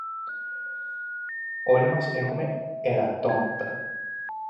Όλοι μας έχομε ελαττώματα!